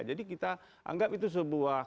jadi kita anggap itu sebuah